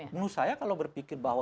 nah itu menurut saya kalau berpikir bahwa